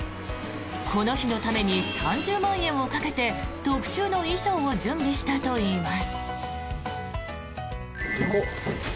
この日のために３０万円をかけて特注の衣装を準備したといいます。